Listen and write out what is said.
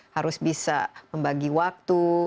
harus bisa membagi waktu